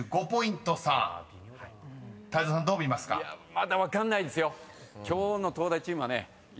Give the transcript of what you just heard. まだ分かんないですよ。